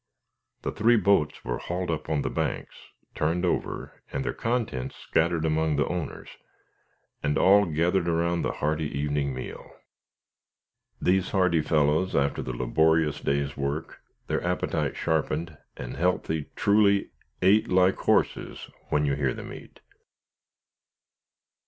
The three boats were hauled up on the banks, turned over, and their contents scattered among the owners, and all gathered around the hearty evening meal. These hardy fellows after the laborious day's work, their appetites sharpened, and healthy truly, "Ate like horses, when you hear them eat."